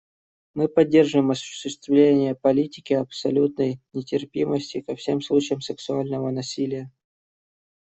Мы поддерживаем осуществление политики абсолютной нетерпимости ко всем случаям сексуального насилия.